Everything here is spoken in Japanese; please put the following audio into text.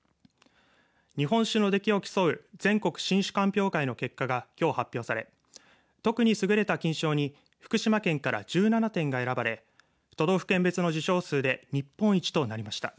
日本酒のできを競う全国新酒鑑評会の結果がきょう発表され特に優れた金賞に福島県から１７点が選ばれ都道府県別の受賞数で日本一となりました。